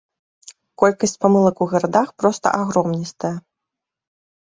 Колькасць памылак у гарадах проста агромністая.